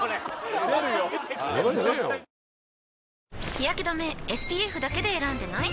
日やけ止めＳＰＦだけで選んでない？